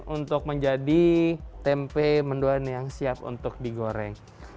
untuk menjadi tempe mendoan yang siap untuk digoreng